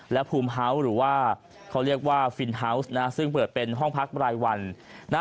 และภูมิเฮาส์หรือว่าเขาเรียกว่าฟินฮาวส์นะซึ่งเปิดเป็นห้องพักรายวันนะ